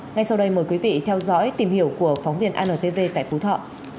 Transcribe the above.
ngay sau đây mời quý vị theo dõi tìm hiểu của phóng viên antv tại phú thọ